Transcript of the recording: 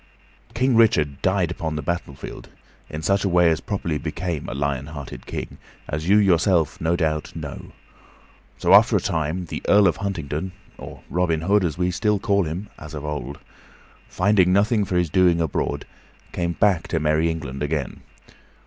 King Richard died upon the battlefield, in such a way as properly became a lion hearted king, as you yourself, no doubt, know; so, after a time, the Earl of Huntingdon or Robin Hood, as we still call him as of old finding nothing for his doing abroad, came back to merry England again.